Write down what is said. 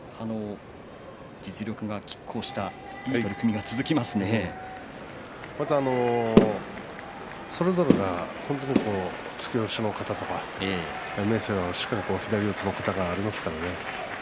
実力がきっ抗したいい取組がそれぞれが本当に突き押しの型とか明生はしっかり左の型がありますからね。